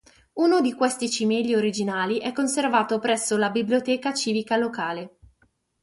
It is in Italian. Uno di questi cimeli originali è conservato presso la biblioteca civica locale.